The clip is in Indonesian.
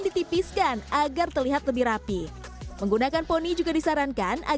ditipiskan agar terlihat lebih rapi menggunakan poni juga disarankan